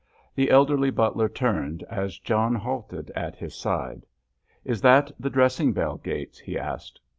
The elderly butler turned as John halted at his side. "Is that the dressing bell, Gates?" he asked.